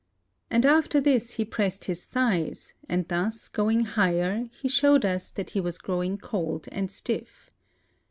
And after this he pressed his thighs ; and thus going higher, he shewed us that he was growing cold and stiff.